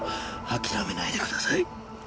諦めないでください。